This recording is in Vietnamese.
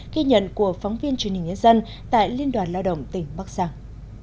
ghi nhận của phóng viên truyền hình nhân dân tại liên đoàn lao động tỉnh bắc giang